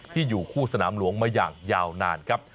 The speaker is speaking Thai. อยู่คู่สนามหลวงมาอย่างยาวนานครับ